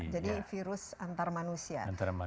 jadi virus antar manusia